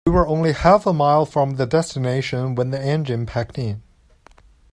We were only half a mile from the destination when the engine packed in.